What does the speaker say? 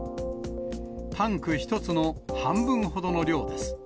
タンク１つの半分ほどの量です。